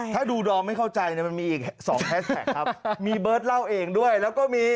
ถ้าดูดอมไม่เข้าใจเนี่ยมันมีอีกสองแฮสแท็กครับมีเบิร์ตเล่าเองด้วยแล้วก็มี